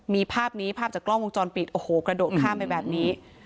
มีภาพนี้ภาพจากกล้องวงจรปิดโอ้โหกระโดดข้ามไปแบบนี้